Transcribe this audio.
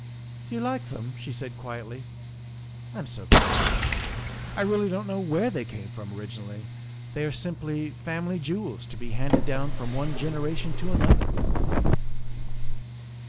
" Do you like them?" she replied quietly. " I'm so glad. I really don't know where they came from origi nally. They are simply family jewels, to be handed down from one generation to another."